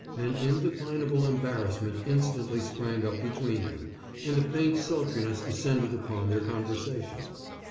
An indefinable embarrassment instantly sprang up between them, and a faint sultriness descended upon their conversation.